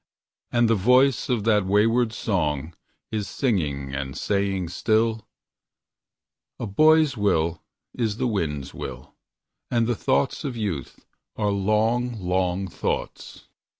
And the voice of that wayward song Is singing and saying still: "A boy's will is the wind's will, And the thoughts of youth are long, long thoughts."